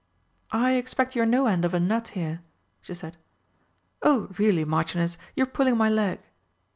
"I expect you're no end of a nut here," she said. "Oh, really, Marchioness, you're pulling my leg!"